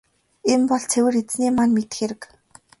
Энэ бол цэвэр Эзэний маань мэдэх хэрэг.